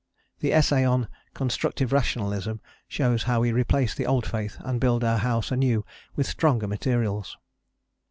The essay on "Constructive Rationalism" shows how we replace the old faith and build our house anew with stronger materials.